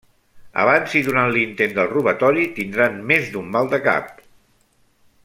Abans i durant l'intent del robatori tindran més d'un mal de cap.